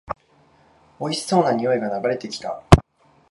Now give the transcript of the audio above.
おいしそうな匂いが流れてきた